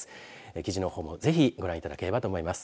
記事の方もぜひご覧いただければと思います。